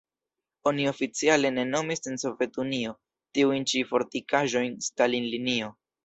Oni oficiale ne nomis en Sovetunio tiujn ĉi fortikaĵojn Stalin-linio.